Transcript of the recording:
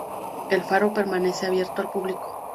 El faro permanece abierto al público.